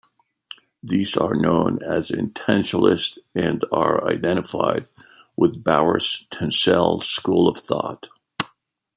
These are known as intentionalists and are identified with the Bowers-Tanselle school of thought.